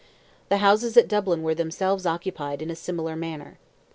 The Houses at Dublin were themselves occupied in a similar manner.